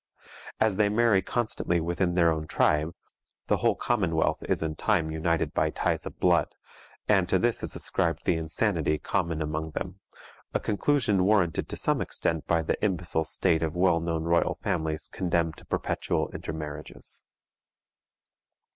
As they marry constantly within their own tribe, the whole commonwealth is in time united by ties of blood, and to this is ascribed the insanity common among them, a conclusion warranted to some extent by the imbecile state of well known royal families condemned to perpetual intermarriages.